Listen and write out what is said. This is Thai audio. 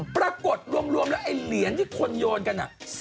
ปรากฏรวมแล้วไอ้เหรียญที่คนโยนกัน